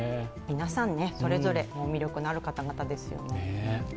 皆さん、それぞれ魅力のある方々ですよね。